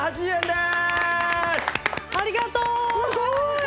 すごーい！